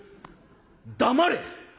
「黙れ！